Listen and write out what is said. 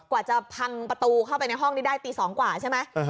กว่าจะพังประตูเข้าไปในห้องนี้ได้ตี๒กว่าใช่ไหม